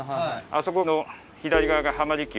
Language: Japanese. あそこの左側が浜離宮。